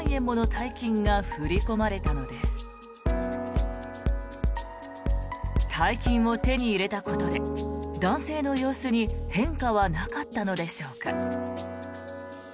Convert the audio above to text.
大金を手に入れたことで男性の様子に変化はなかったのでしょうか。